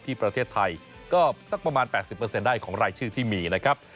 ที่ประเทศไทยก็สักประมาณ๘๐ได้ของรายชื่อที่มีนะครับ